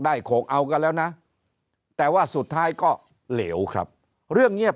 โขกเอากันแล้วนะแต่ว่าสุดท้ายก็เหลวครับเรื่องเงียบ